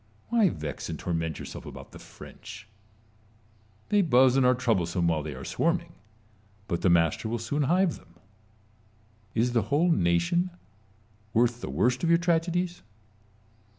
Why vex and torment yourself about the French? They buzz and are troublesome while they are swarming ; but the master will soon hive them. Is the whole nation worth the worst of your tragedies